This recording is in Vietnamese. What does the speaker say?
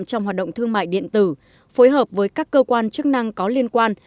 trong hoạt động thương mại điện tử phối hợp với các cơ quan chức năng có liên quan